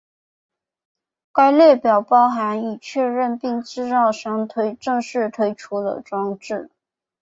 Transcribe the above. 该列表包含已确认并制造商正式推出的装置。